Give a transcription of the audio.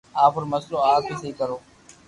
آپ رو مسلو آپ اي سھو ڪرو